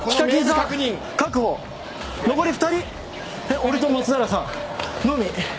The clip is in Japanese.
俺と松平さんのみ。